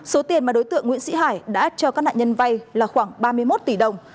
số tiền mà đối tượng nguyễn sĩ hải đã cho các nạn nhân vay là khoảng ba mươi một tỷ đồng